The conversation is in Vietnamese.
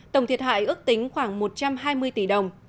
tổng thiệt hại ước tính khoảng một trăm hai mươi tỷ đồng